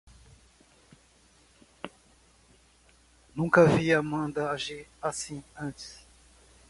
Eu nunca vi Amanda agir assim antes.